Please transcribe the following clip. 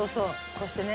こうしてね。